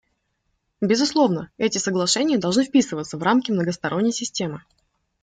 Безусловно, эти соглашения должны вписываться в рамки многосторонней системы.